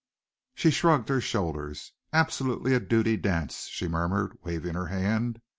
She shrugged her shoulders. "Absolutely a duty dance," she murmured, waving her hand.